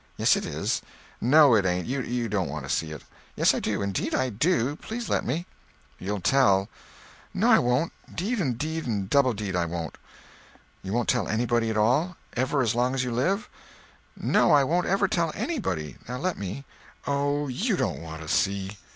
"Yes it is." "No it ain't. You don't want to see." "Yes I do, indeed I do. Please let me." "You'll tell." "No I won't—deed and deed and double deed won't." "You won't tell anybody at all? Ever, as long as you live?" "No, I won't ever tell _any_body. Now let me." "Oh, you don't want to see!"